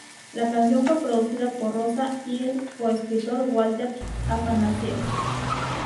La canción fue producida por Rosa y el co-escritor Walter Afanasieff.